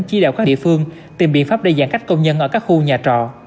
chỉ đạo các địa phương tìm biện pháp để giãn cách công nhân ở các khu nhà trọ